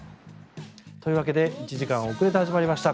というわけで１時間遅れて始まりました。